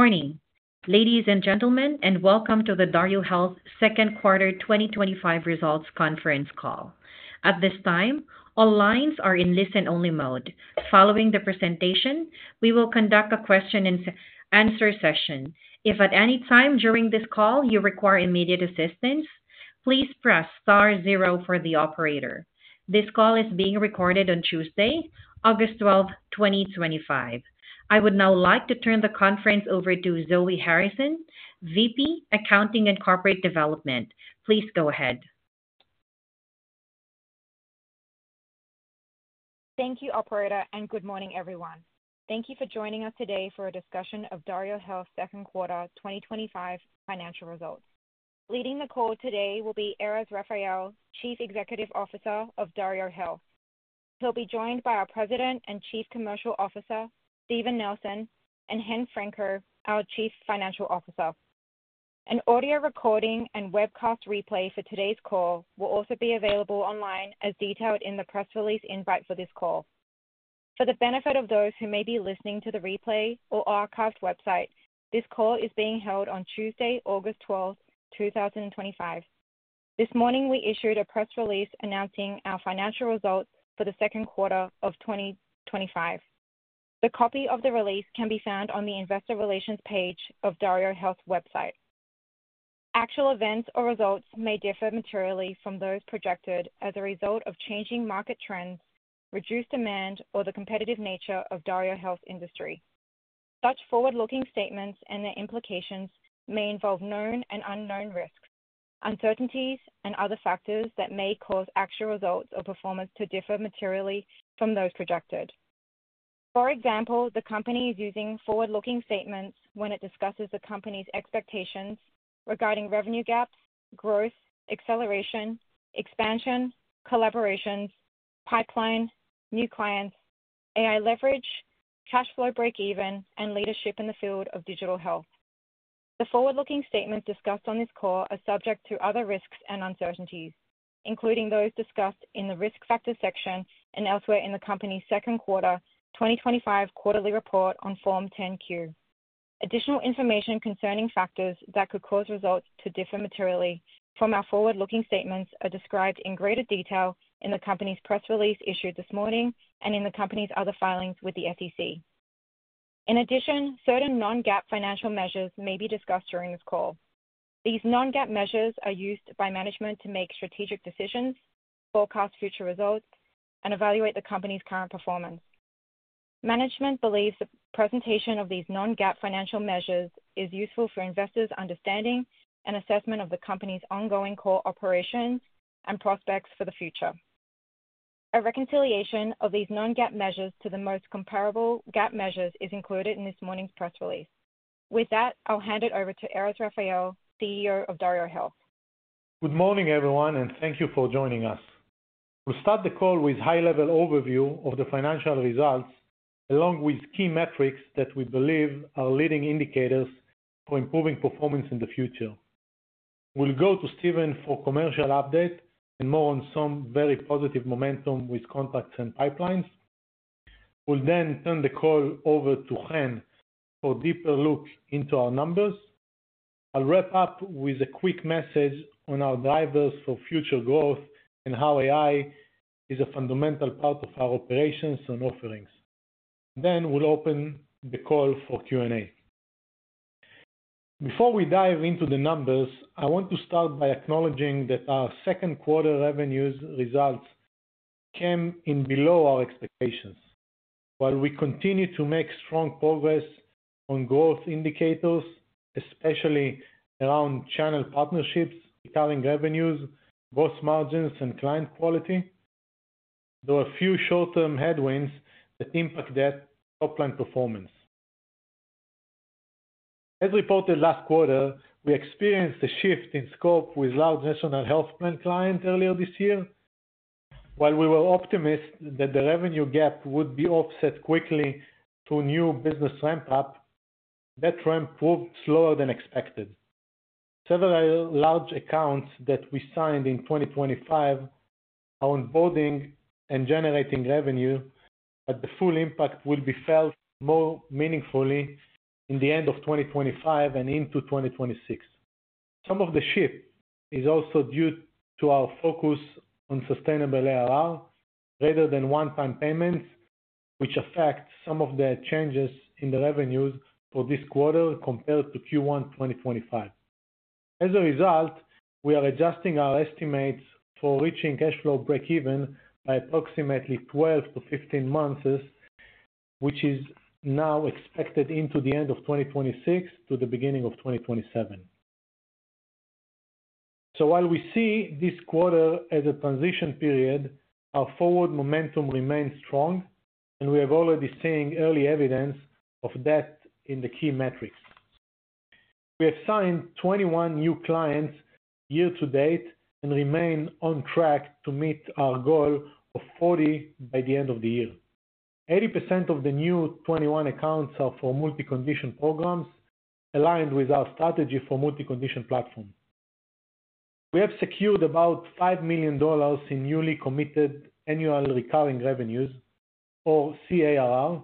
Morning, ladies and gentlemen, and welcome to the DarioHealth Second Quarter 2025 Results Conference Call. At this time, all lines are in listen-only mode. Following the presentation, we will conduct a question-and-answer session. If at any time during this call you require immediate assistance, please press Star, zero for the operator. This call is being recorded on Tuesday, August 12, 2025. I would now like to turn the conference over to Zoe Harrison, VP Accounting and Corporate Development. Please go ahead. Thank you, operator, and good morning, everyone. Thank you for joining us today for a discussion of DarioHealth's second quarter 2025 financial results. Leading the call today will be Erez Raphael, Chief Executive Officer of DarioHealth. He'll be joined by our President and Chief Commercial Officer, Steven Nelson, and Chen Franco, our Chief Financial Officer. An audio recording and webcast replay for today's call will also be available online as detailed in the press release invite for this call. For the benefit of those who may be listening to the replay or archived website, this call is being held on Tuesday, August 12, 2025. This morning, we issued a press release announcing our financial results for the second quarter of 2025. The copy of the release can be found on the Investor Relations page of DarioHealth's website. Actual events or results may differ materially from those projected as a result of changing market trends, reduced demand, or the competitive nature of the DarioHealth industry. Such forward-looking statements and their implications may involve known and unknown risks, uncertainties, and other factors that may cause actual results or performance to differ materially from those projected. For example, the company is using forward-looking statements when it discusses the company's expectations regarding revenue gaps, growth, acceleration, expansion, collaborations, pipeline, new clients, AI leverage, cash flow break-even, and leadership in the field of digital health. The forward-looking statements discussed on this call are subject to other risks and uncertainties, including those discussed in the risk factor section and elsewhere in the company's second quarter 2025 quarterly report on Form 10-Q. Additional information concerning factors that could cause results to differ materially from our forward-looking statements are described in greater detail in the company's press release issued this morning and in the company's other filings with the SEC. In addition, certain non-GAAP financial measures may be discussed during this call. These non-GAAP measures are used by management to make strategic decisions, forecast future results, and evaluate the company's current performance. Management believes the presentation of these non-GAAP financial measures is useful for investors' understanding and assessment of the company's ongoing core operations and prospects for the future. A reconciliation of these non-GAAP measures to the most comparable GAAP measures is included in this morning's press release. With that, I'll hand it over to Erez Raphael, CEO of DarioHealth. Good morning, everyone, and thank you for joining us. We'll start the call with a high-level overview of the financial results, along with key metrics that we believe are leading indicators for improving performance in the future. We'll go to Steven for a commercial update and more on some very positive momentum with contracts and pipelines. We'll then turn the call over to Chen for a deeper look into our numbers. I'll wrap up with a quick message on our drivers for future growth and how AI is a fundamental part of our operations and offerings. We'll open the call for Q&A. Before we dive into the numbers, I want to start by acknowledging that our second quarter revenue results came in below our expectations. While we continue to make strong progress on growth indicators, especially around channel partnerships, recurring revenues, gross margins, and client quality, there are a few short-term headwinds that impact that top-line performance. As reported last quarter, we experienced a shift in scope with a large national health plan client earlier this year. While we were optimistic that the revenue gap would be offset quickly through a new business ramp-up, that ramp proved slower than expected. Several large accounts that we signed in 2025 are onboarding and generating revenue, but the full impact will be felt more meaningfully in the end of 2025 and into 2026. Some of the shift is also due to our focus on sustainable ARR, greater than one-time payments, which affects some of the changes in the revenues for this quarter compared to Q1 2025. As a result, we are adjusting our estimates for reaching cash flow break-even by approximately 12-15 months, which is now expected into the end of 2026 to the beginning of 2027. While we see this quarter as a transition period, our forward momentum remains strong, and we are already seeing early evidence of that in the key metrics. We have signed 21 new clients year to date and remain on track to meet our goal of 40 by the end of the year. 80% of the new 21 accounts are for multi-condition programs, aligned with our strategy for multi-condition platforms. We have secured about $5 million in newly committed annual recurring revenue, or CARR,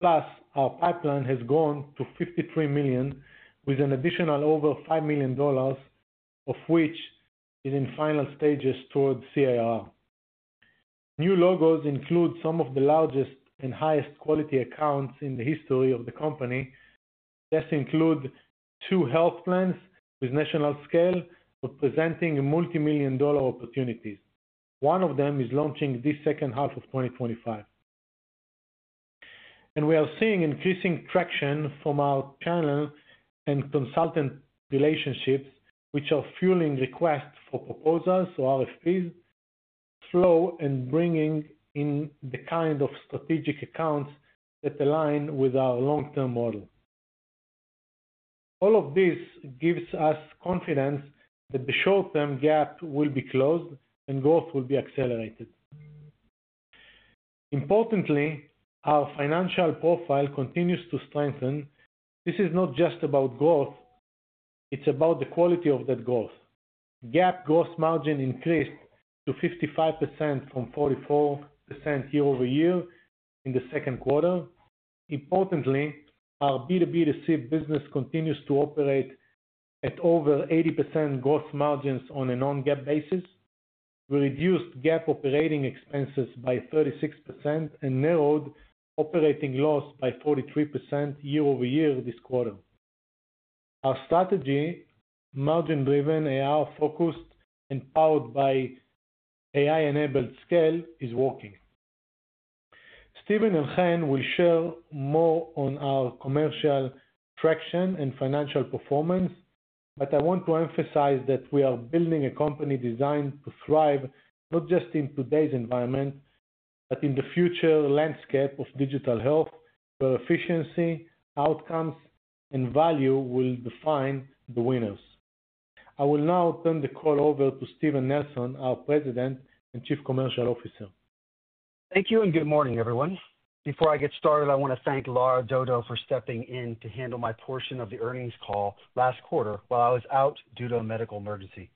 plus our pipeline has grown to $53 million, with an additional over $5 million of which is in final stages toward CARR. New logos include some of the largest and highest quality accounts in the history of the company. This includes two health plans with national scale representing multi-million dollar opportunities. One of them is launching this second half of 2025. We are seeing increasing traction from our channel and consultant relationships, which are fueling requests for proposals or RFPs and bringing in the kind of strategic accounts that align with our long-term model. All of this gives us confidence that the short-term gap will be closed and growth will be accelerated. Importantly, our financial profile continues to strengthen. This is not just about growth, it's about the quality of that growth. GAAP gross margin increased to 55% from 44% year-over-year in the second quarter. Importantly, our B2B2C business continues to operate at over 80% gross margins on a non-GAAP basis. We reduced GAAP operating expenses by 36% and narrowed operating loss by 43% year-over-year this quarter. Our strategy, margin-driven, ARR-focused, and powered by AI-enabled scale, is working. Steven and Chen will share more on our commercial traction and financial performance, but I want to emphasize that we are building a company designed to thrive not just in today's environment, but in the future landscape of digital health, where efficiency, outcomes, and value will define the winners. I will now turn the call over to Steven Nelson, our President and Chief Commercial Officer. Thank you and good morning, everyone. Before I get started, I want to thank Lara Dodo for stepping in to handle my portion of the earnings call last quarter while I was out due to a medical emergency.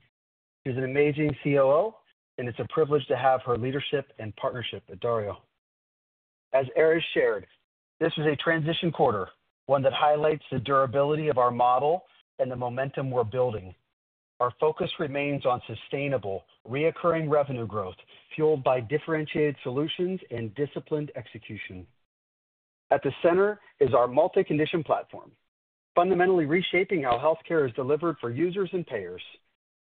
She's an amazing COO, and it's a privilege to have her leadership and partnership at DarioHealth. As Erez shared, this was a transition quarter, one that highlights the durability of our model and the momentum we're building. Our focus remains on sustainable, recurring revenue growth, fueled by differentiated solutions and disciplined execution. At the center is our multi-condition platform, fundamentally reshaping how healthcare is delivered for users and payers.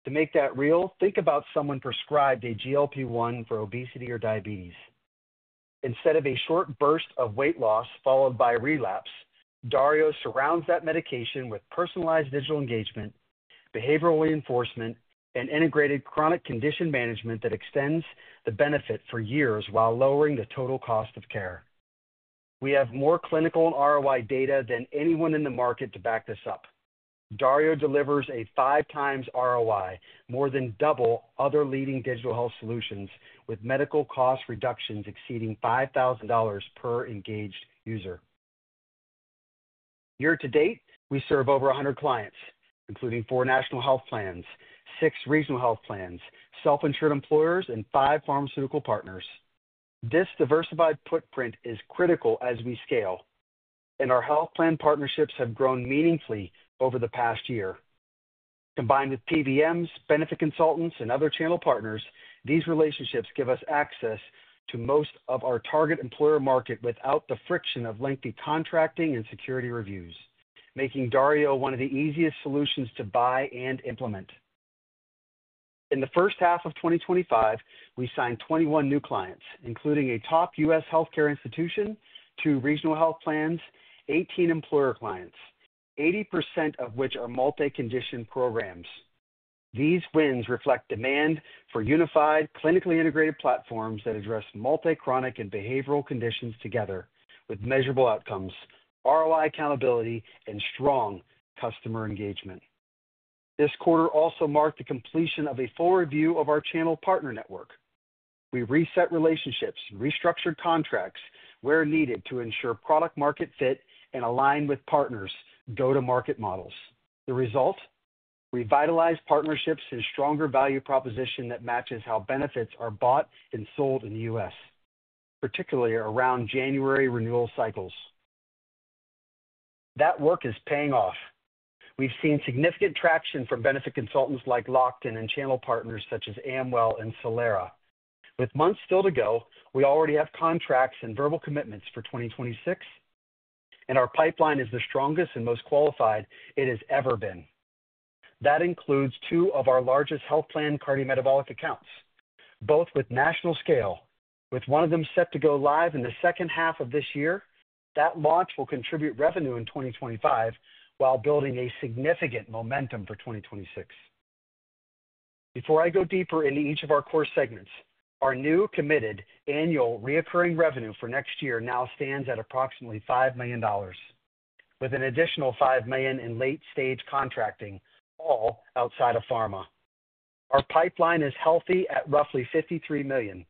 To make that real, think about someone prescribed a GLP-1 for obesity or diabetes. Instead of a short burst of weight loss followed by relapse, Dario surrounds that medication with personalized digital engagement, behavioral reinforcement, and integrated chronic condition management that extends the benefit for years while lowering the total cost of care. We have more clinical and ROI data than anyone in the market to back this up. Dario delivers a 5x ROI, more than double other leading digital health solutions, with medical cost reductions exceeding $5,000 per engaged user. Year to date, we serve over 100 clients, including four national health plans, six regional health plans, self-insured employers, and five pharmaceutical partners. This diversified footprint is critical as we scale, and our health plan partnerships have grown meaningfully over the past year. Combined with PBMs, benefit consultants, and other channel partners, these relationships give us access to most of our target employer market without the friction of lengthy contracting and security reviews, making Dario one of the easiest solutions to buy and implement. In the first half of 2025, we signed 21 new clients, including a top U.S., healthcare institution, two regional health plans, and 18 employer clients, 80% of which are multi-condition programs. These wins reflect demand for unified, clinically integrated platforms that address multi-chronic and behavioral conditions together, with measurable outcomes, ROI accountability, and strong customer engagement. This quarter also marked the completion of a full review of our channel partner network. We reset relationships, restructured contracts where needed to ensure product-market fit and align with partners' go-to-market models. The result? Revitalized partnerships and a stronger value proposition that matches how benefits are bought and sold in the U.S., particularly around January renewal cycles. That work is paying off. We've seen significant traction from benefit consultants like Lockton and channel partners such as Amwell and Solera. With months still to go, we already have contracts and verbal commitments for 2026, and our pipeline is the strongest and most qualified it has ever been. That includes two of our largest health plan cardiometabolic accounts, both with national scale, with one of them set to go live in the second half of this year. That launch will contribute revenue in 2025 while building significant momentum for 2026. Before I go deeper into each of our core segments, our new committed annual recurring revenue for next year now stands at approximately $5 million, with an additional $5 million in late-stage contracting, all outside of pharma. Our pipeline is healthy at roughly $53 million.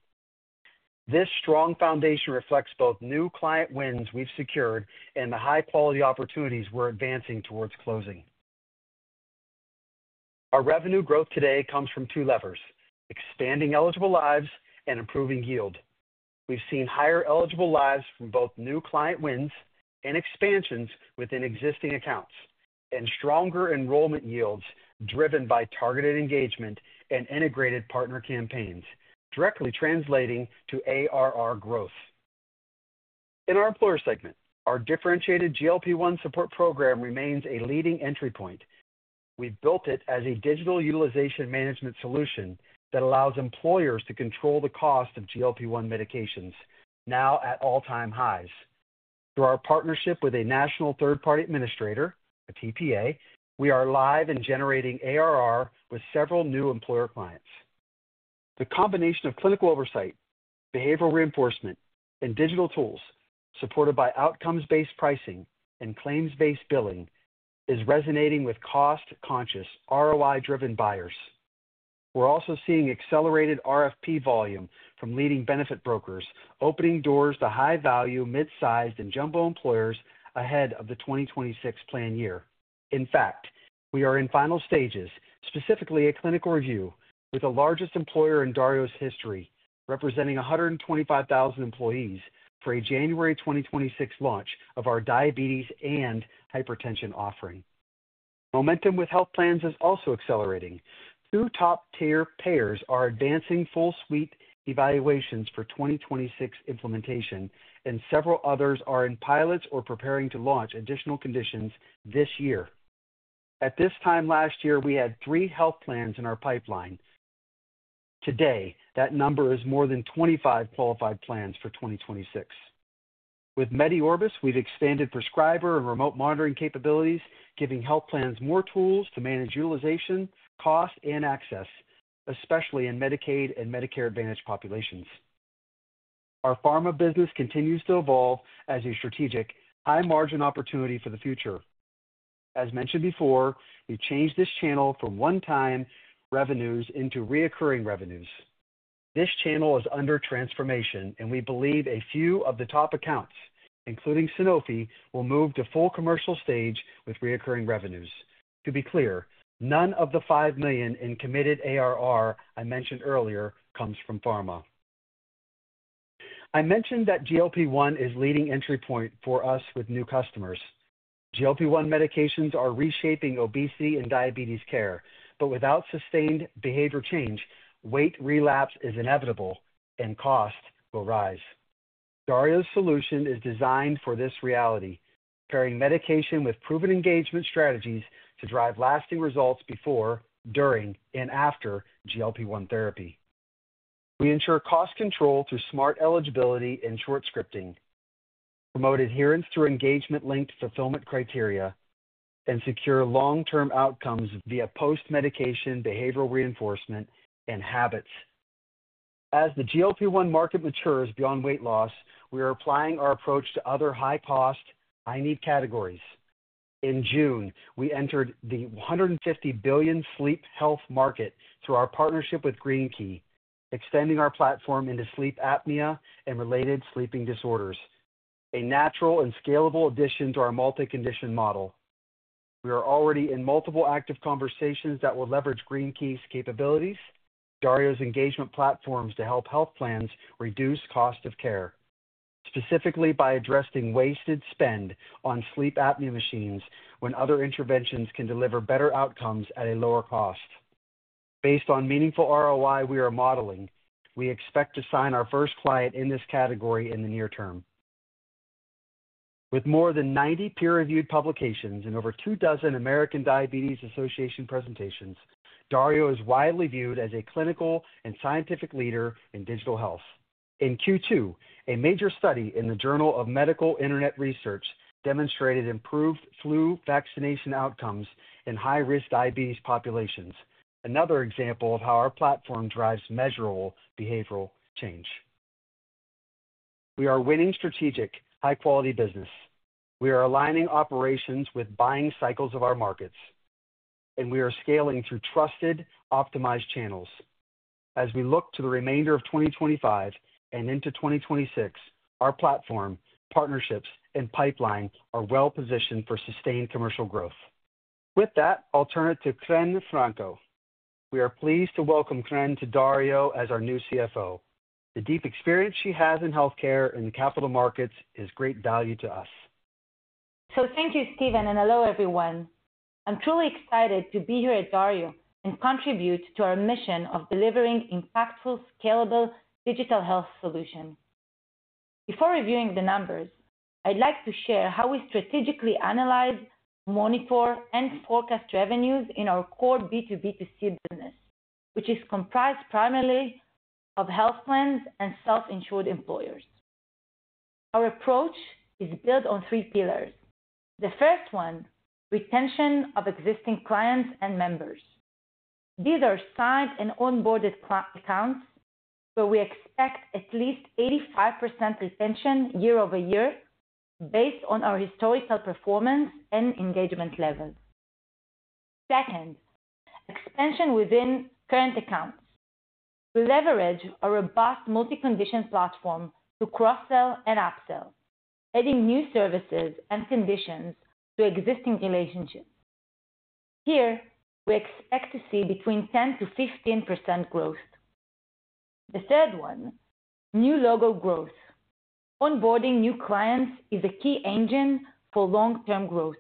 This strong foundation reflects both new client wins we've secured and the high-quality opportunities we're advancing towards closing. Our revenue growth today comes from two levers: expanding eligible lives and improving yield. We've seen higher eligible lives from both new client wins and expansions within existing accounts, and stronger enrollment yields driven by targeted engagement and integrated partner campaigns, directly translating to ARR growth. In our employer segment, our differentiated GLP-1 companion solution remains a leading entry point. We've built it as a digital utilization management solution that allows employers to control the cost of GLP-1 medications, now at all-time highs. Through our partnership with a national third-party administrator, a TPA, we are live and generating ARR with several new employer clients. The combination of clinical oversight, behavioral reinforcement, and digital tools, supported by outcomes-based pricing and claims-based billing, is resonating with cost-conscious, ROI-driven buyers. We're also seeing accelerated RFP volume from leading benefit brokers, opening doors to high-value, mid-sized, and jumbo employers ahead of the 2026 plan year. In fact, we are in final stages, specifically a clinical review with the largest employer in Dario's history, representing 125,000 employees, for a January 2026 launch of our diabetes and hypertension offering. Momentum with health plans is also accelerating. Two top-tier payers are advancing full-suite evaluations for 2026 implementation, and several others are in pilots or preparing to launch additional conditions this year. At this time last year, we had three health plans in our pipeline. Today, that number is more than 25 qualified plans for 2026. With MediOrbis, we've expanded prescriber and remote monitoring capabilities, giving health plans more tools to manage utilization, cost, and access, especially in Medicaid and Medicare Advantage populations. Our pharma business continues to evolve as a strategic high-margin opportunity for the future. As mentioned before, we've changed this channel from one-time revenues into recurring revenues. This channel is under transformation, and we believe a few of the top accounts, including Sanofi, will move to full commercial stage with recurring revenues. To be clear, none of the $5 million in committed ARR I mentioned earlier comes from pharma. I mentioned that GLP-1 is a leading entry point for us with new customers. GLP-1 medications are reshaping obesity and diabetes care, but without sustained behavior change, weight relapse is inevitable, and costs will rise. DarioHealth's solution is designed for this reality, pairing medication with proven engagement strategies to drive lasting results before, during, and after GLP-1 therapy. We ensure cost control through smart eligibility and short scripting, promote adherence through engagement-linked fulfillment criteria, and secure long-term outcomes via post-medication behavioral reinforcement and habits. As the GLP-1 market matures beyond weight loss, we are applying our approach to other high-cost, high-need categories. In June, we entered the $150 billion sleep health market through our partnership with GreenKey, extending our platform into sleep apnea and related sleeping disorders, a natural and scalable addition to our multi-condition model. We are already in multiple active conversations that will leverage GreenKey's capabilities, Dario's engagement platforms to help health plans reduce cost of care, specifically by addressing wasted spend on sleep apnea machines when other interventions can deliver better outcomes at a lower cost. Based on meaningful ROI we are modeling, we expect to sign our first client in this category in the near term. With more than 90 peer-reviewed publications and over two dozen American Diabetes Association presentations, Dario is widely viewed as a clinical and scientific leader in digital health. In Q2, a major study in the Journal of Medical Internet Research demonstrated improved flu vaccination outcomes in high-risk diabetes populations, another example of how our platform drives measurable behavioral change. We are winning strategic, high-quality business. We are aligning operations with buying cycles of our markets, and we are scaling through trusted, optimized channels. As we look to the remainder of 2025 and into 2026, our platform, partnerships, and pipeline are well positioned for sustained commercial growth. With that, I'll turn it to Chen Franco. We are pleased to welcome Chen to DarioHealth as our new CFO. The deep experience she has in healthcare and the capital markets is of great value to us. Thank you, Steven, and hello, everyone. I'm truly excited to be here at Dario and contribute to our mission of delivering impactful, scalable digital health solutions. Before reviewing the numbers, I'd like to share how we strategically analyze, monitor, and forecast revenues in our core B2B2C business, which is comprised primarily of health plans and self-insured employers. Our approach is built on three pillars. The first one, retention of existing clients and members. These are signed and onboarded accounts where we expect at least 85% retention year-over-year based on our historical performance and engagement levels. Second, extension within current accounts. We leverage a robust multi-condition platform to cross-sell and upsell, adding new services and conditions to existing relationships. Here, we expect to see between 10%-15% growth. The third one, new logo growth. Onboarding new clients is a key engine for long-term growth,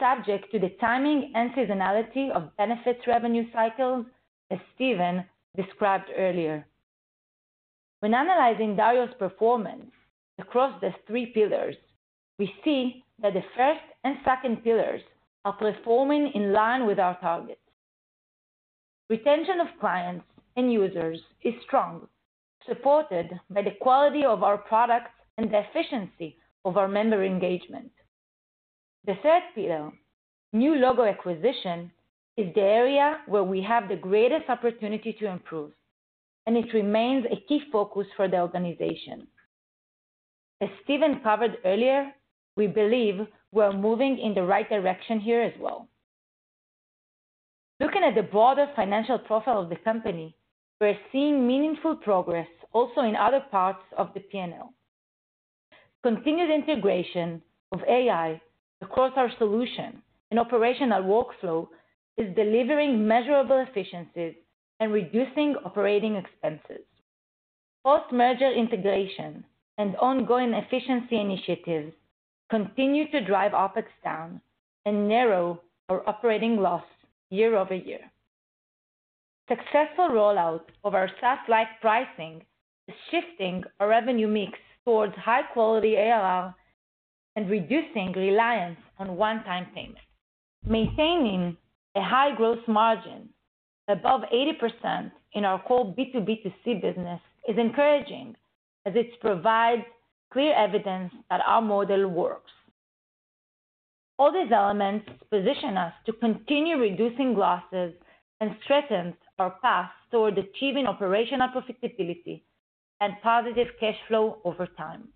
subject to the timing and seasonality of benefits revenue cycle, as Steven described earlier. When analyzing Dario's performance across the three pillars, we see that the first and second pillars are performing in line with our target. Retention of clients and users is strong, supported by the quality of our products and the efficiency of our member engagement. The third pillar, new logo acquisition, is the area where we have the greatest opportunity to improve, and it remains a key focus for the organization. As Steven covered earlier, we believe we're moving in the right direction here as well. Looking at the broader financial profile of the company, we're seeing meaningful progress also in other parts of the P&L. Continued integration of AI across our solution and operational workflow is delivering measurable efficiencies and reducing operating expenses. Post-merger integration and ongoing efficiency initiatives continue to drive OpEx down and narrow our operating loss year over year. Successful rollout of our satellite pricing is shifting our revenue mix towards high-quality ARR and reducing reliance on one-time payment. Maintaining a high gross margin above 80% in our core B2B2C business is encouraging as it provides clear evidence that our model works. All these elements position us to continue reducing losses and strengthen our path toward achieving operational profitability and positive cash flow over time.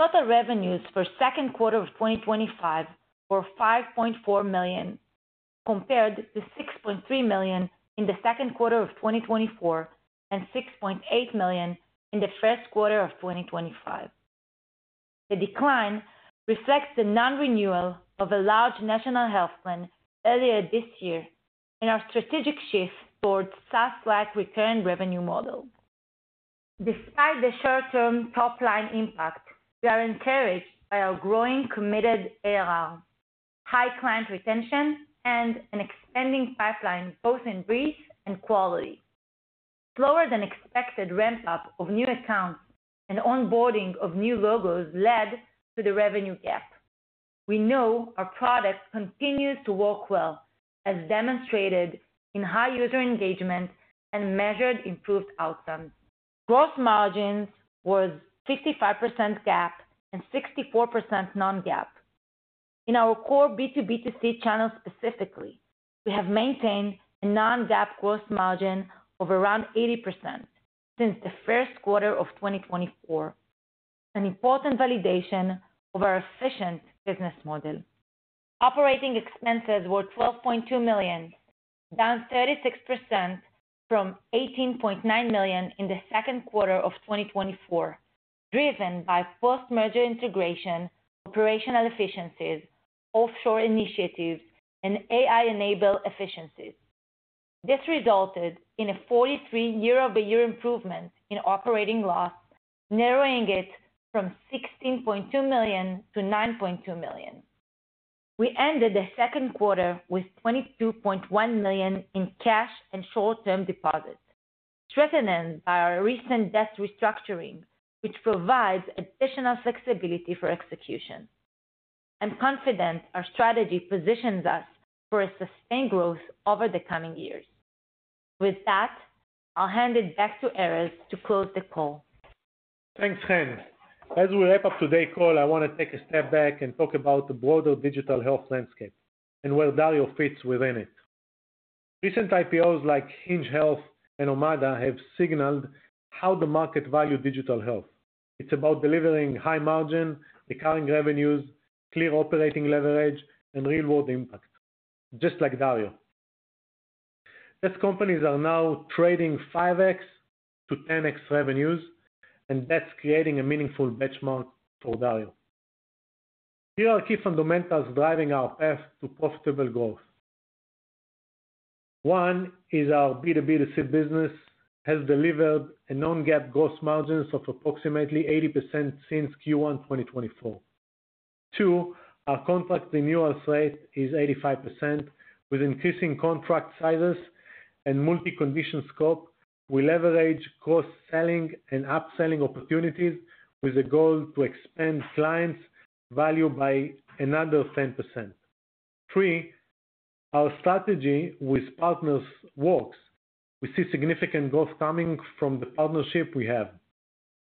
Total revenues for the second quarter of 2025 were $5.4 million, compared to $6.3 million in the second quarter of 2024 and $6.8 million in the first quarter of 2025. The decline reflects the non-renewal of a large national health plan earlier this year and our strategic shift towards satellite recurring revenue models. Despite the short-term top-line impact, we are encouraged by our growing committed ARR, high client retention, and an expanding pipeline both in breadth and quality. Slower than expected ramp-up of new accounts and onboarding of new logos led to the revenue gap. We know our product continues to work well, as demonstrated in high user engagement and measured improved outcomes. Gross margins were 5% GAAP and 64% non-GAAP. In our core B2B2C channel specifically, we have maintained a non-GAAP gross margin of around 80% since the first quarter of 2024, an important validation of our efficient business model. Operating expenses were $12.2 million, down 36% from $18.9 million in the second quarter of 2024, driven by post-merger integration, operational efficiencies, offshore initiatives, and AI-enabled efficiencies. This resulted in a 43% year-over-year improvement in operating loss, narrowing it from $16.2 million-$9.2 million. We ended the second quarter with $22.1 million in cash and short-term deposits, strengthened by our recent desk restructuring, which provides additional flexibility for execution. I'm confident our strategy positions us for sustained growth over the coming years. With that, I'll hand it back to Erez to close the call. Thanks, Chen. As we wrap up today's call, I want to take a step back and talk about the broader digital health landscape and where Dario fits within it. Recent IPOs like Hinge Health and Omada have signaled how the market values digital health. It's about delivering high margin, recurring revenues, clear operating leverage, and real-world impact, just like Dario. These companies are now trading 5x-10x revenues, and that's creating a meaningful benchmark for Dario. Here are key fundamentals driving our path to profitable growth. One is our B2B2C business has delivered a non-GAAP gross margin of approximately 80% since Q1 2024. Two, our contract renewal rate is 85%. With increasing contract sizes and multi-condition scope, we leverage cross-selling and upselling opportunities with a goal to expand clients' value by another 10%. Three, our strategy with partners works. We see significant growth coming from the partnership we have.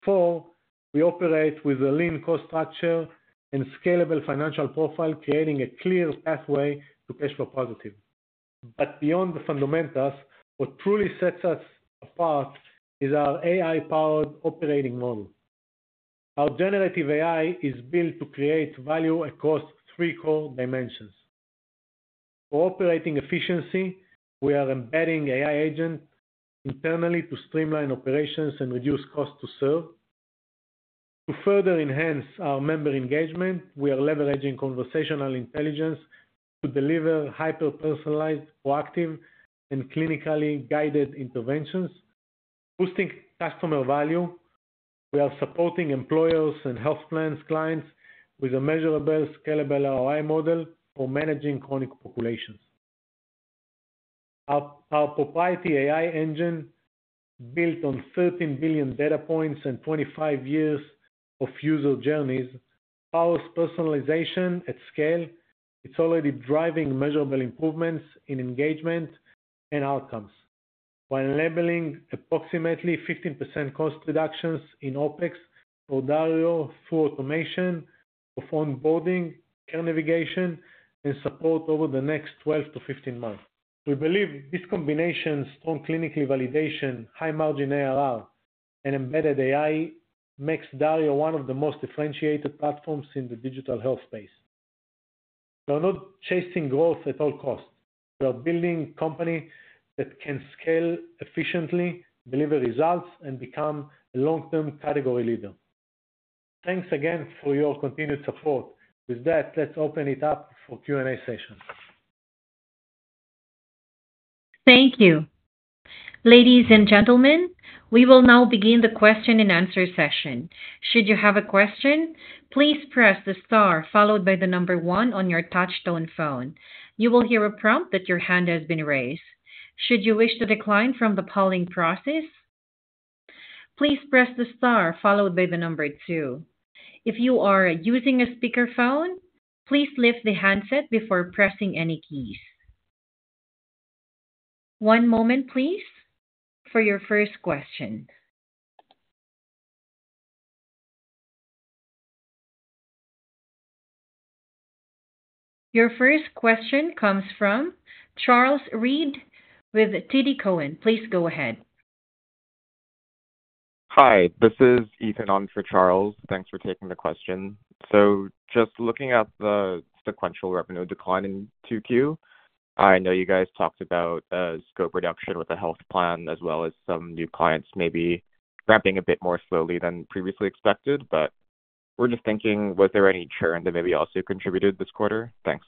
Four, we operate with a lean cost structure and scalable financial profile, creating a clear pathway to cash flow positivity. What truly sets us apart is our AI-powered operating model. Our generative AI is built to create value across three core dimensions. For operating efficiency, we are embedding AI agents internally to streamline operations and reduce costs to serve. To further enhance our member engagement, we are leveraging conversational intelligence to deliver hyper-personalized, proactive, and clinically guided interventions, boosting customer value. We are supporting employers and health plans' clients with a measurable, scalable ROI model for managing chronic populations. Our proprietary AI engine, built on 13 billion data points and 25 years of user journeys, powers personalization at scale. It's already driving measurable improvements in engagement and outcomes, while enabling approximately 15% cost reductions in operating expenses for Dario through automation of onboarding, care navigation, and support over the next 12 -15 months. We believe this combination of strong clinical validation, high margin annual recurring revenue, and embedded AI makes Dario one of the most differentiated platforms in the digital health space. We are not chasing growth at all costs. We are building a company that can scale efficiently, deliver results, and become a long-term category leader. Thanks again for your continued support. With that, let's open it up for Q&A sessions. Thank you. Ladies and gentlemen, we will now begin the question-and-answer session. Should you have a question, please press the Star followed by the number one on your touch-tone phone. You will hear a prompt that your hand has been raised. Should you wish to decline from the polling process, please press the Star followed by the number two. If you are using a speakerphone, please lift the handset before pressing any keys. One moment, please, for your first question. Your first question comes from Charles Reed with TD Cowen. Please go ahead. Hi, this is Ethan on for Charles. Thanks for taking the question. Just looking at the sequential revenue decline in Q2, I know you guys talked about a scope reduction with the health plan as well as some new clients maybe ramping a bit more slowly than previously expected. We're just thinking, was there any churn that maybe also contributed this quarter? Thanks.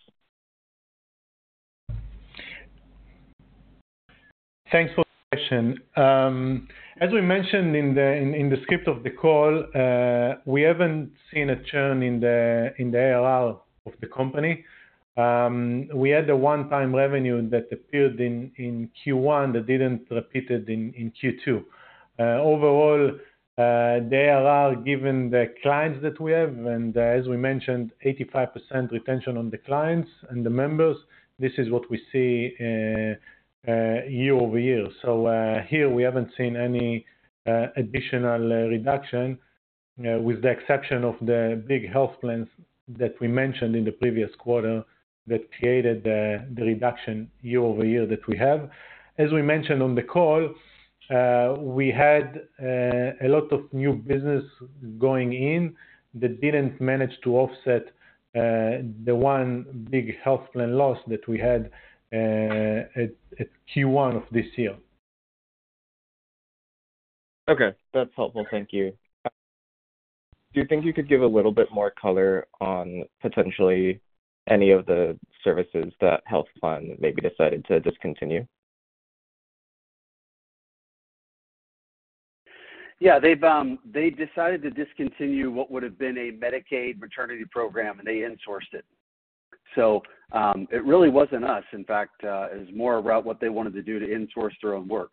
Thanks for the question. As we mentioned in the script of the call, we haven't seen a churn in the ARR of the company. We had the one-time revenue that appeared in Q1 that didn't repeat in Q2. Overall, the ARR, given the clients that we have, and as we mentioned, 85% retention on the clients and the members, this is what we see year over year. Here we haven't seen any additional reduction, with the exception of the big health plans that we mentioned in the previous quarter that created the reduction year over year that we have. As we mentioned on the call, we had a lot of new business going in that didn't manage to offset the one big health plan loss that we had at Q1 of this year. Okay, that's helpful. Thank you. Do you think you could give a little bit more color on potentially any of the services that HealthPlan maybe decided to discontinue? Yeah, they decided to discontinue what would have been a Medicaid maternity program, and they insourced it. It really wasn't us. In fact, it was more about what they wanted to do to insource their own work.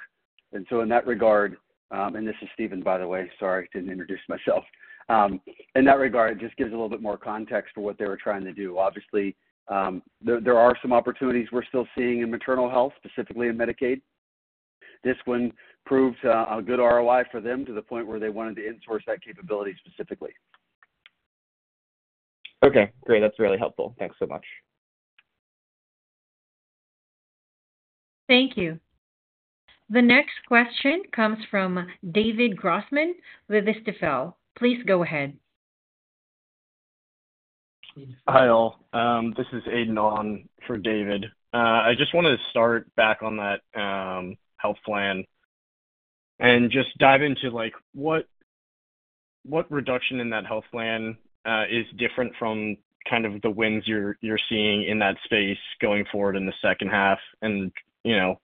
In that regard, and this is Steven, by the way, sorry, I didn't introduce myself. In that regard, it just gives a little bit more context for what they were trying to do. Obviously, there are some opportunities we're still seeing in maternal health, specifically in Medicaid. This one proved a good ROI for them to the point where they wanted to insource that capability specifically. Okay, great. That's really helpful. Thanks so much. Thank you. The next question comes from David Grossman with Stifel. Hi all. This is Aiden on for David. I just wanted to start back on that health plan and just dive into what reduction in that health plan is different from the wins you're seeing in that space going forward in the second half, and you know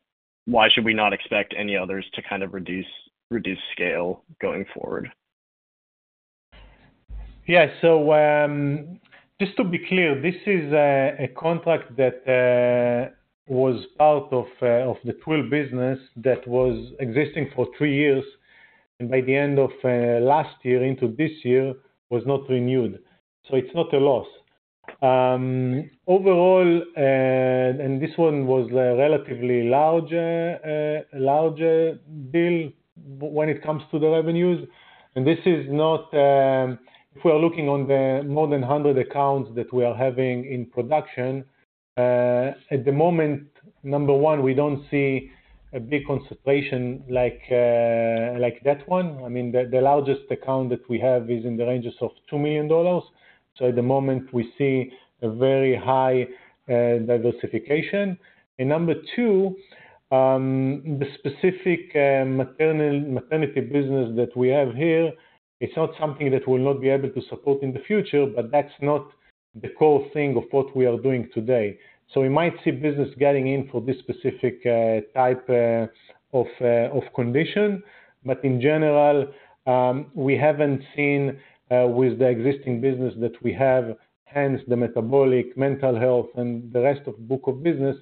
why should we not expect any others to reduce scale going forward? Yeah, just to be clear, this is a contract that was part of the Twill business that was existing for three years, and by the end of last year into this year, it was not renewed. It's not a loss overall, and this one was a relatively large deal when it comes to the revenues. This is not, if we are looking at the more than 100 accounts that we have in production at the moment, number one, we don't see a big concentration like that one. I mean, the largest account that we have is in the range of $2 million. At the moment, we see a very high diversification. Number two, the specific maternity business that we have here, it's not something that we'll not be able to support in the future, but that's not the core thing of what we are doing today. We might see business getting in for this specific type of condition, but in general, we haven't seen with the existing business that we have, hence the metabolic, mental health, and the rest of the book of business,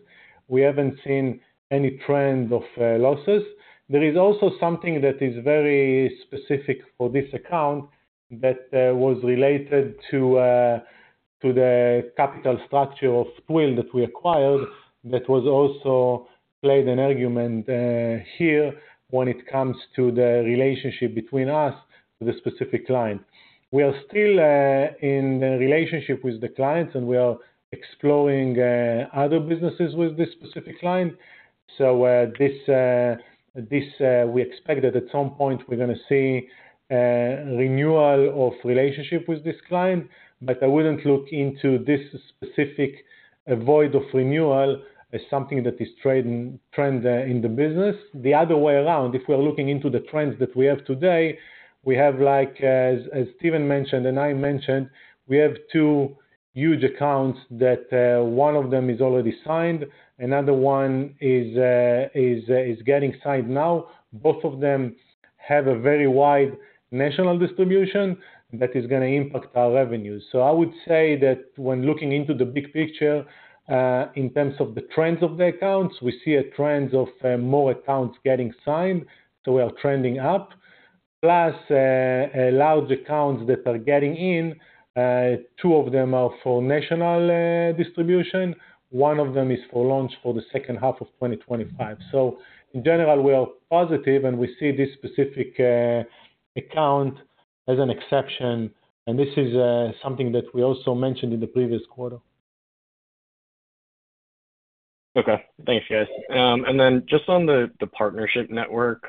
we haven't seen any trend of losses. There is also something that is very specific for this account that was related to the capital structure of Twill that we acquired that also played an argument here when it comes to the relationship between us and the specific client. We are still in the relationship with the client, and we are exploring other businesses with this specific client. We expect that at some point we're going to see a renewal of relationship with this client. I wouldn't look into this specific void of renewal as something that is a trend in the business. The other way around, if we're looking into the trends that we have today, we have, like Steven mentioned and I mentioned, two huge accounts that one of them is already signed, another one is getting signed now. Both of them have a very wide national distribution that is going to impact our revenues. I would say that when looking into the big picture, in terms of the trends of the accounts, we see a trend of more accounts getting signed. We are trending up. Plus, large accounts that are getting in, two of them are for national distribution. One of them is for launch for the second half of 2025. In general, we are positive, and we see this specific account as an exception. This is something that we also mentioned in the previous quarter. Okay, thanks, yes. Just on the partnership network,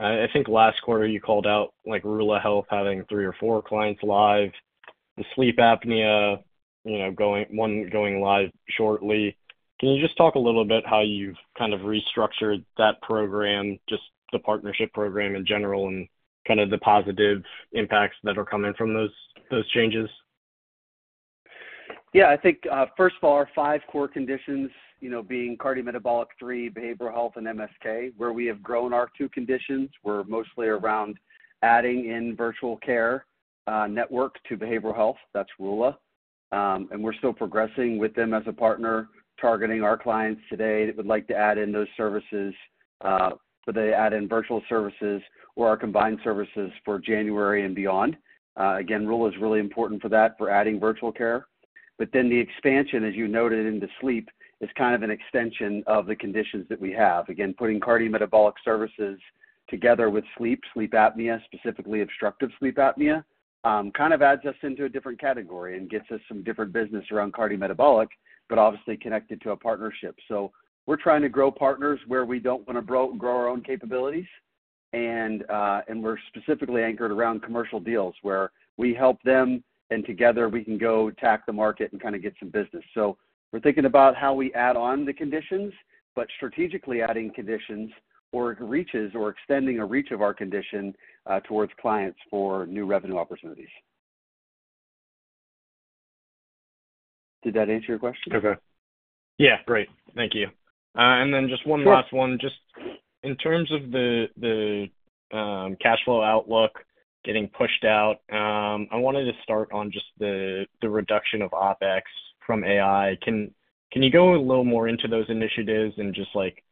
I think last quarter you called out Rula having three or four clients live, the sleep apnea, you know, one going live shortly. Can you just talk a little bit how you've kind of restructured that program, just the partnership program in general, and the positive impacts that are coming from those changes? Yeah, I think first of all, our five core conditions, you know, being cardiometabolic, three, behavioral health, and MSK, where we have grown our two conditions. We're mostly around adding in virtual care network to behavioral health. That's Rula. We're still progressing with them as a partner, targeting our clients today that would like to add in those services. They add in virtual services or our combined services for January and beyond. Rula is really important for that, for adding virtual care. The expansion, as you noted, into sleep is kind of an extension of the conditions that we have. Putting cardiometabolic services together with sleep, sleep apnea, specifically obstructive sleep apnea, kind of adds us into a different category and gets us some different business around cardiometabolic, but obviously connected to a partnership. We're trying to grow partners where we don't want to grow our own capabilities. We're specifically anchored around commercial deals where we help them, and together we can go tack the market and kind of get some business. We're thinking about how we add on the conditions, but strategically adding conditions or reaches or extending a reach of our condition towards clients for new revenue opportunities. Did that answer your question? Okay. Yeah, great. Thank you. Just one last one, in terms of the cash flow outlook getting pushed out, I wanted to start on just the reduction of OpEx from AI. Can you go a little more into those initiatives and just like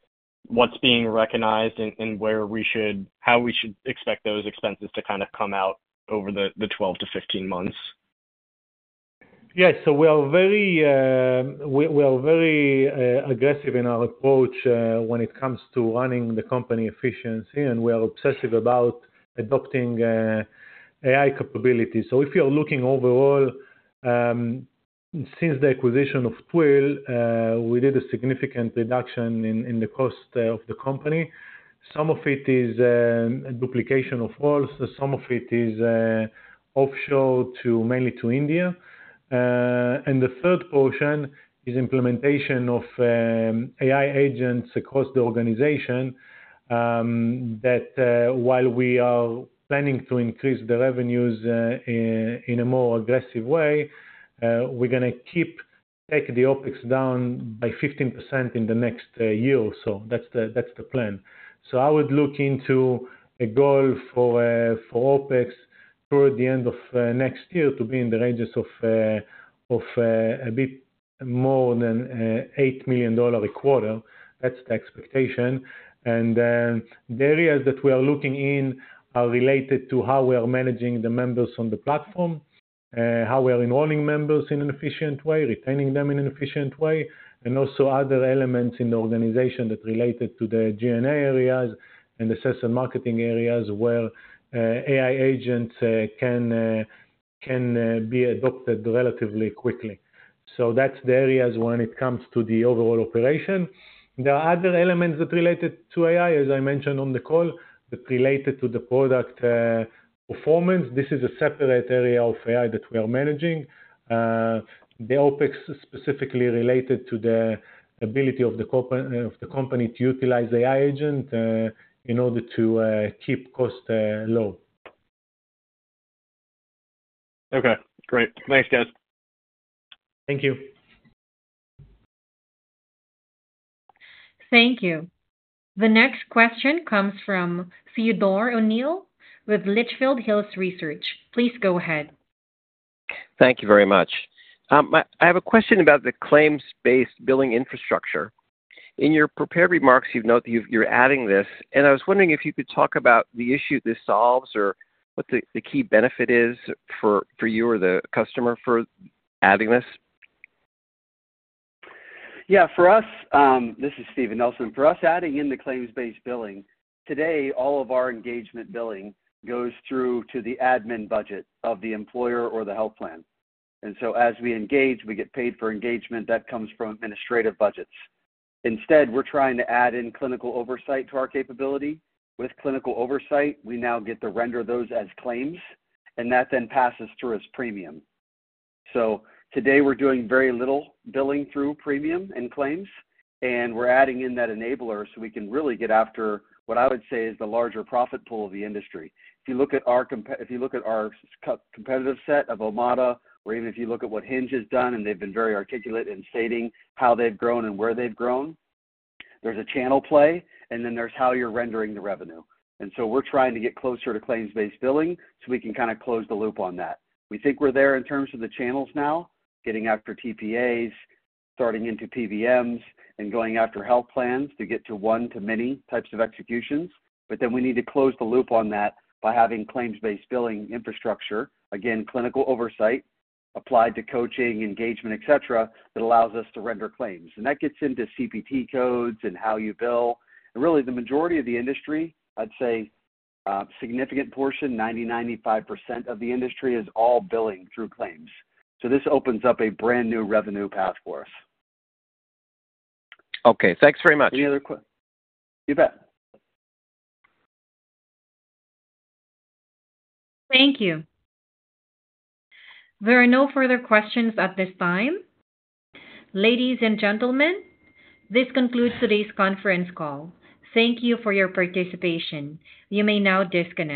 what's being recognized and where we should, how we should expect those expenses to kind of come out over the 12 -15 months? Yeah, we are very aggressive in our approach when it comes to running the company efficiently, and we are obsessive about adopting AI capabilities. If you're looking overall, since the acquisition of Twill, we did a significant reduction in the cost of the company. Some of it is a duplication of roles, some of it is offshore to mainly India. The third portion is implementation of AI agents across the organization. While we are planning to increase the revenues in a more aggressive way, we're going to keep, take the OpEx down by 15% in the next year or so. That's the plan. I would look into a goal for OpEx toward the end of next year to be in the ranges of a bit more than $8 million a quarter. That's the expectation. The areas that we are looking in are related to how we are managing the members on the platform, how we are enrolling members in an efficient way, retaining them in an efficient way, and also other elements in the organization that relate to the G&A areas and the sales and marketing areas where AI agents can be adopted relatively quickly. Those are the areas when it comes to the overall operation. There are other elements that relate to AI, as I mentioned on the call, that relate to the product performance. This is a separate area of AI that we are managing. The OpEx specifically relates to the ability of the company to utilize AI agents in order to keep costs low. Okay, great. Thanks, guys. Thank you. Thank you. The next question comes from Theodore O'Neill with Litchfield Hills Research. Please go ahead. Thank you very much. I have a question about the claims-based billing infrastructure. In your prepared remarks, you've noted that you're adding this, and I was wondering if you could talk about the issue this solves or what the key benefit is for you or the customer for adding this. Yeah. For us, this is Steven Nelson. For us, adding in the claims-based billing, today all of our engagement billing goes through to the admin budget of the employer or the health plan. As we engage, we get paid for engagement that comes from administrative budgets. Instead, we're trying to add in clinical oversight to our capability. With clinical oversight, we now get to render those as claims, and that then passes through as premium. Today we're doing very little billing through premium and claims, and we're adding in that enabler so we can really get after what I would say is the larger profit pool of the industry. If you look at our competitive set of Omada, or even if you look at what Hinge has done, and they've been very articulate in stating how they've grown and where they've grown, there's a channel play, and then there's how you're rendering the revenue. We're trying to get closer to claims-based billing so we can kind of close the loop on that. We think we're there in terms of the channels now, getting after TPAs, starting into PBMs, and going after health plans to get to one to many types of executions. We need to close the loop on that by having claims-based billing infrastructure, again, clinical oversight applied to coaching, engagement, etc., that allows us to render claims. That gets into CPT codes and how you bill. Really, the majority of the industry, I'd say a significant portion, 90-95% of the industry, is all billing through claims. This opens up a brand new revenue path for us. Okay, thanks very much. Any other questions? You bet. Thank you. There are no further questions at this time. Ladies and gentlemen, this concludes today's conference call. Thank you for your participation. You may now disconnect.